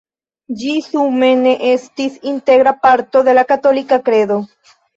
Ĝi sume ne estis "integra parto de la katolika kredo".